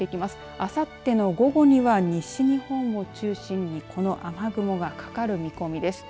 あさっての午後には西日本を中心にこの雨雲がかかる見込みです。